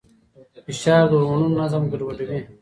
فشار د هورمونونو نظم ګډوډوي.